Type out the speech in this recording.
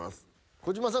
児嶋さん。